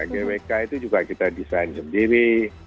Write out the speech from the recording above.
gwk itu juga kita desain sendiri